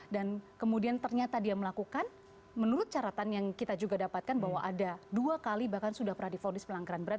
dan kemudian ternyata dia melakukan menurut caratan yang kita juga dapatkan bahwa ada dua kali bahkan sudah pernah difundis pelanggaran berat